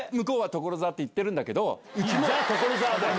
じゃあ所沢だよ！